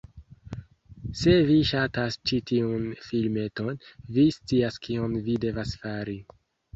Se vi ŝatas ĉi tiun filmeton, vi scias kion vi devas fari: